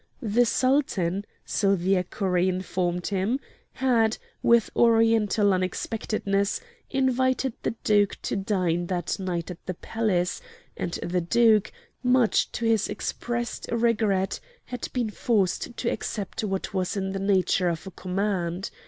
The Sultan, so the equerry informed him, had, with Oriental unexpectedness, invited the Duke to dine that night at the Palace, and the Duke, much to his expressed regret, had been forced to accept what was in the nature of a command.